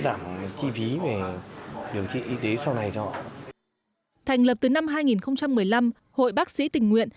giảm chi phí về điều trị y tế sau này cho họ thành lập từ năm hai nghìn một mươi năm hội bác sĩ tình nguyện